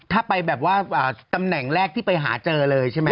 ถ้าไปแบบว่าตำแหน่งแรกที่ไปหาเจอเลยใช่ไหม